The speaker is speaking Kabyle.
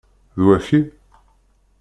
D waki?